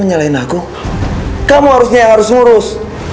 nyalahin aku kamu harusnya harus ngurus